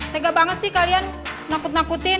tega banget sih kalian nakut nakutin